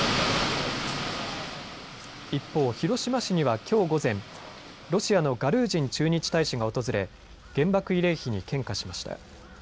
一方、広島市にはきょう午前、ロシアのガルージン駐日大使が訪れ原爆慰霊碑に献花しました。